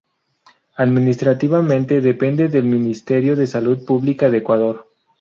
Administrativamente depende del Ministerio de Salud pública de Ecuador.